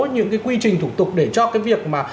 những cái quy trình thủ tục để cho cái việc mà